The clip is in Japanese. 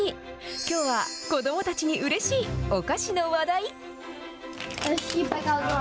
きょうは子どもたちにうれしいお菓子の話題。